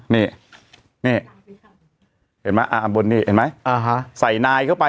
นี่นี่เห็นไหมอ่าบนนี่เห็นไหมใส่นายเข้าไป